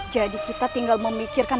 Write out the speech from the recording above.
jadi kita tinggal memikirkan